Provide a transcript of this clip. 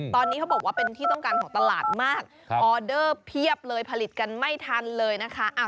ตอนนี้เขาบอกว่าเป็นที่ต้องการของตลาดมากออเดอร์เพียบเลยผลิตกันไม่ทันเลยนะคะ